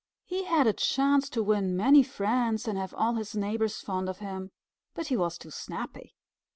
He had a chance to win many friends and have all his neighbors fond of him, but he was too snappy.